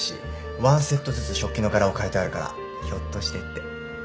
１セットずつ食器の柄を変えてあるからひょっとしてって。